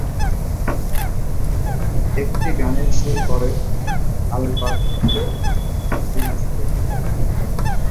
একটি গানের সুর করেন আলবার্তো জিনাস্তেরা।